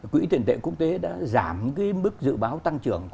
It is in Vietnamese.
quỹ tiền tệ quốc tế đã giảm cái mức dự báo tăng trưởng